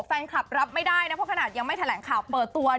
รับไม่ได้นะเพราะขนาดยังไม่แถลงข่าวเปิดตัว